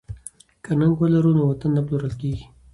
که ننګ ولرو نو وطن نه پلورل کیږي.